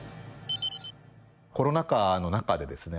コロナ禍の中でですね